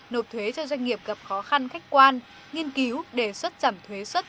nộp thuế cho doanh nghiệp gặp khó khăn khách quan nghiên cứu đề xuất giảm thuế xuất